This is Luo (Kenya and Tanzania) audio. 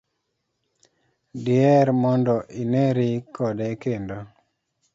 diher mondo ineri kode kendo?